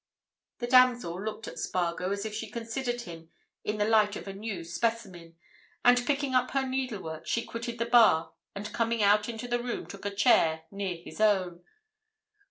The damsel looked at Spargo as if she considered him in the light of a new specimen, and picking up her needlework she quitted the bar and coming out into the room took a chair near his own.